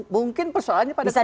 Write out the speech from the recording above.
mungkin persoalannya pada komunikasi